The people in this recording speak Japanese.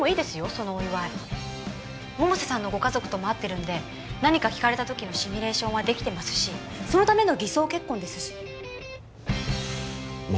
そのお祝い百瀬さんのご家族とも会ってるんで何か聞かれたときのシミュレーションはできてますしそのための偽装結婚ですしま